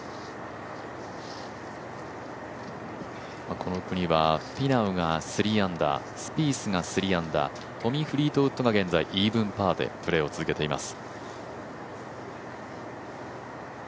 この組はフィナウは３アンダー、スピースが３アンダートミー・フリートウッドが現在、イーブンパーでプレーを続けています。